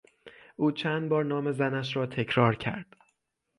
او چند بار نام زنش را تکرار کرد.